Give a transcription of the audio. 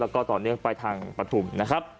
แล้วก็ต่อเนื่องไปทางปฐุมนะครับ